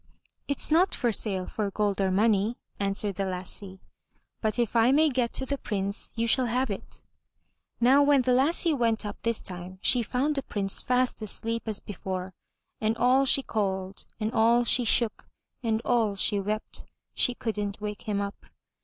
"It's not for sale for gold or money," answered the lassie. *'But if I may get to the Prince, you shall have it.*' Now when the lassie went up this time she found the Prince fast asleep as before and all she called, and all she shook, and all she wept, she couldn't wake him up.